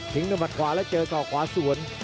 ถึงต้นบัตรขวาแล้วเจอสอกขวาส่วน